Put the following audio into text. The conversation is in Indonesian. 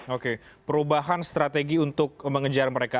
oke perubahan strategi untuk mengejar mereka